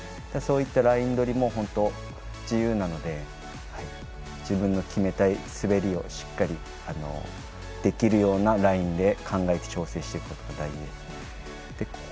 そういったライン取りも本当に自由なので自分の決めたい滑りをしっかりできるようなラインで考えて調整することが大事です。